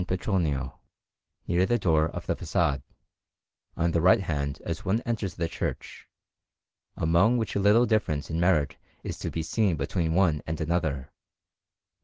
Petronio, near the door of the façade, on the right hand as one enters the church; among which little difference in merit is to be seen between one and another.